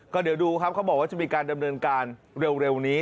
ก็เดี๋ยวดูครับเขาบอกว่าจะมีการดำเนินการเร็วนี้